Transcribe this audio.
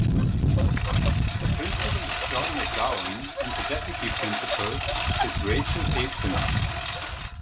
The principal is John McGowan and the deputy principal is Rachael Aitken.